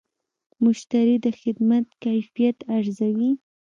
مشتری د خدمت کیفیت ارزوي.